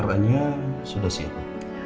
r n nya sudah siap bu